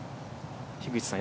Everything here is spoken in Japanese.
樋口さん